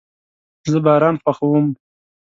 زه باران خوښوم